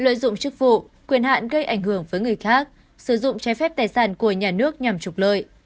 lợi dụng chức vụ quyền hạn gây ảnh hưởng với người khác sử dụng trái phép tài sản của nhà nước nhằm trục lợi